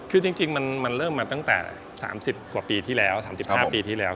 คือจริงมันเริ่มมาตั้งแต่๓๐กว่าปีที่แล้ว๓๙กว่าปีที่แล้ว